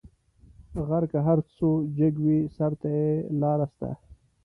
غر که هر څو جګ وي؛ سر ته یې لار سته.